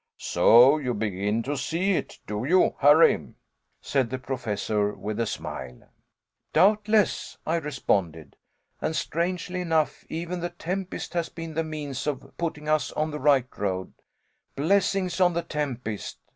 "So you begin to see it, do you, Harry?" said the Professor with a smile. "Doubtless," I responded, "and strangely enough, even the tempest has been the means of putting us on the right road. Blessings on the tempest!